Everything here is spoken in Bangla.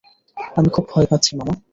আমি খুব ভয় পাচ্ছি, মামা।